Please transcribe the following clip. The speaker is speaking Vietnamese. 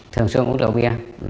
thường xuyên uống rượu bia